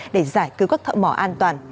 để giải cứu các thợ mỏ an toàn